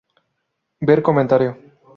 Ver comentario.